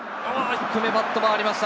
低め、バットが回りました。